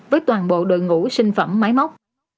với toàn bộ đội ngũ sinh phẩm máy móc